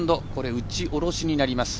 打ち下ろしになります。